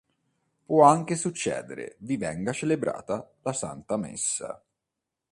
Può anche succedere vi venga celebrata la Santa Messa.